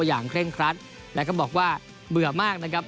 เคร่งครัดแล้วก็บอกว่าเบื่อมากนะครับ